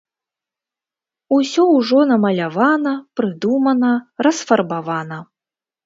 Усё ўжо намалявана, прыдумана, расфарбавана.